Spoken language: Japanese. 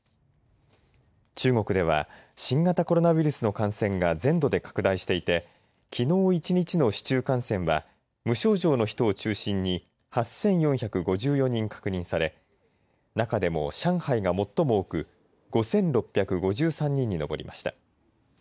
中国では新型コロナウイルスの感染が全土で拡大していてきのう１日の市中感染は無症状の人を中心に８４５４人確認され中でも上海が最も多く５６５３人に上りました。